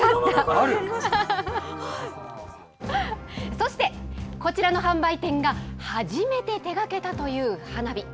そして、こちらの販売店が初めて手がけたという花火。